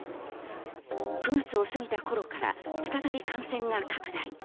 ９月を過ぎた頃から再び感染が拡大。